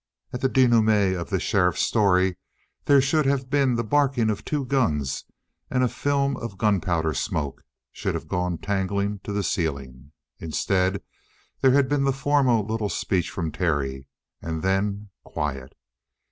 At the denouement of the sheriff's story there should have been the barking of two guns and a film of gunpowder smoke should have gone tangling to the ceiling. Instead there had been the formal little speech from Terry and then quiet.